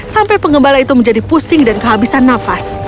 sampai pengembala itu menjadi pusing dan kehabisan nafas